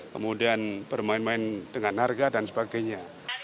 kemudian bermain main dengan harga dan sebagainya